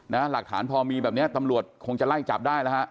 หลักฐานพอมีแบบเนี้ยตำรวจคงจะไล่จับได้แล้วฮะ